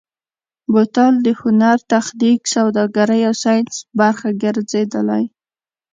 بوتل د هنر، تخنیک، سوداګرۍ او ساینس برخه ګرځېدلی.